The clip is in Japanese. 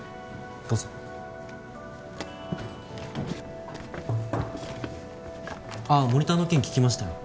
どうぞあっモニターの件聞きましたよ